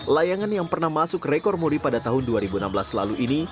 layangan yang pernah masuk rekor muri pada tahun dua ribu enam belas lalu ini